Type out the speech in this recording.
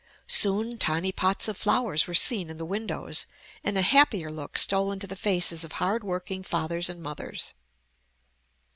Soon tiny pots of flowers were seen in the windows, and a happier look stole into the faces of hard working fathers and mothers.